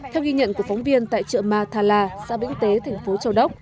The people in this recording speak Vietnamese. theo ghi nhận của phóng viên tại chợ ma tha la xã vĩnh tế thành phố châu đốc